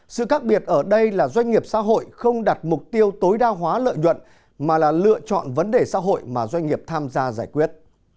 sự khác biệt ở đây là doanh nghiệp xã hội không đặt mục tiêu tối đa hóa lợi nhuận mà là lựa chọn vấn đề xã hội mà doanh nghiệp tham gia giải quyết